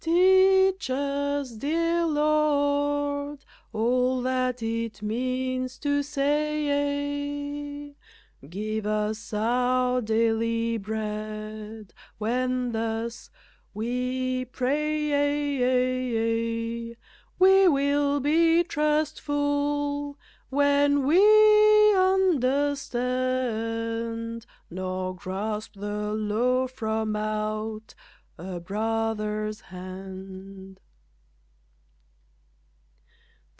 Teach us, dear Lord, all that it means to say Give us our daily bread, when thus we pray; We will be trustful when we understand, Nor grasp the loaf from out a brother's hand.